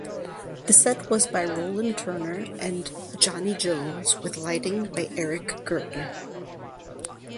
The set was by Roland Turner and Johnnie Jones with lighting by Eric Gertner.